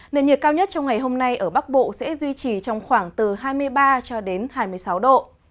nền nhiệt cao nhất trong ngày hôm nay ở bắc bộ sẽ duy trì trong khoảng từ hai mươi ba cho đến hai mươi sáu độ